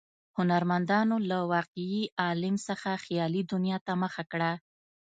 هنرمندانو له واقعي عالم څخه خیالي دنیا ته مخه کړه.